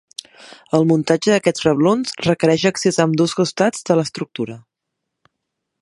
El muntatge d'aquests reblons requereix accés a ambdós costats de l'estructura.